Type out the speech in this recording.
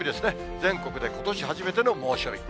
全国でことし初めての猛暑日。